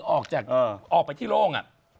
ออกไปที่โล่ง